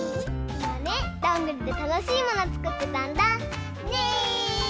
いまねどんぐりでたのしいものつくってたんだ。ね！